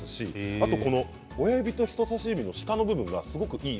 あと親指と人さし指の下の部分がすごくいい